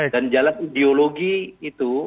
dan jalan ideologi itu